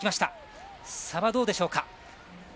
差はどうでしょうか。